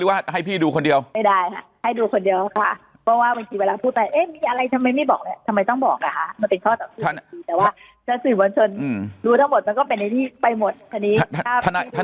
อ่าไม่เป็นไรเดี๋ยวผมจะไปกูดูส่วนตัว